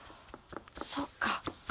そっか。